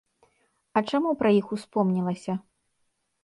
А чаму пра іх успомнілася?